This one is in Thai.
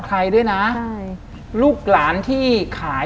คุณลุงกับคุณป้าสองคนนี้เป็นใคร